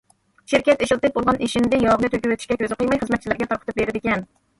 شىركەت ئىشلىتىپ بولغان ئېشىندى ياغنى تۆكۈۋېتىشكە كۆزى قىيماي، خىزمەتچىلەرگە تارقىتىپ بېرىدىكەن.